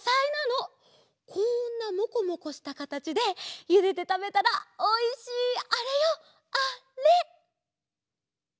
こんなモコモコしたかたちでゆでてたべたらおいしいあれよあれ！